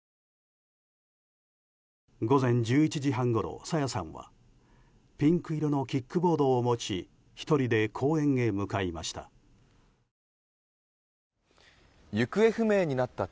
午前１１時半ごろ、朝芽さんはピンク色のキックボードを持ち１人で公園へ向かいました。